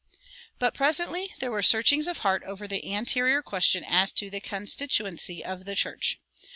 But presently there were searchings of heart over the anterior question as to the constituency of the church.